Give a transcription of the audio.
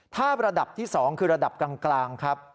ถ้าระดับที่๒คือระดับกลางครับ